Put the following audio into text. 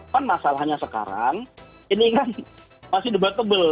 kan masalahnya sekarang ini kan masih debatable